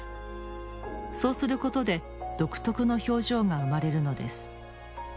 そうすることで独特の表情が生まれるのです